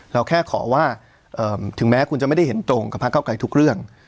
เราแค่ขอว่าถึงแม้คุณจะไม่ได้เห็นตรงกับพระเก้าไกลทุกเรื่อง